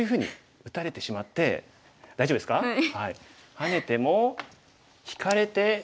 ハネても引かれて。